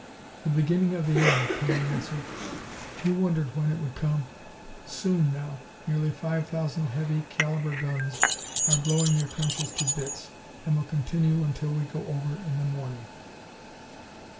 "The beginning of the end," Cowan answered. "You wondered when it would come. Soon now. Nearly five thousand heavy calibre guns are blowing your trenches to bits, and will continue until we go over in the morning."